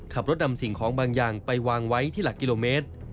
ขับรถนำสิ่งของบางอย่างไปวางไว้ที่หลักกิโลเมตร